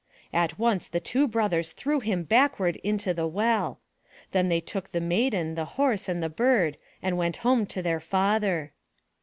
At once the two brothers threw him backward into the well. Then they took the maiden, the horse, and the bird, and went home to their father.